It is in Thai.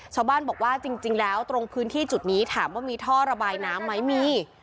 ชาวบ้านบอกว่าจริงแล้วตรงพื้นที่จุดนี้ถามว่ามีท่อระบายน้ำไหมมี